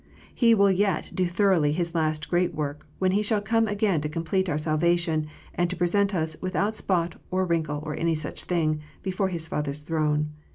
He will yet do thoroughly His last great work, when He shall come again to complete our salvation, and to present us "without spot, or wrinkle, or any such thing," before His Father s throne.